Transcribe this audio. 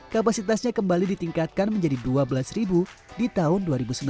kapasitasnya kembali ditingkatkan menjadi dua belas ribu di tahun dua ribu sembilan belas